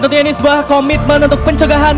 tentunya ini sebuah komitmen untuk pencegahan